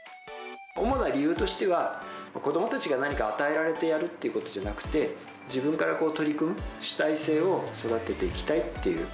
主な理由としては、子どもたちが何か与えられてやるってことじゃなくて、自分から取り組む、主体性を育てていきたいっていう。